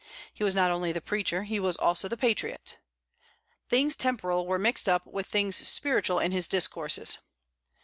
He was not only the preacher, he was also the patriot. Things temporal were mixed up with things spiritual in his discourses.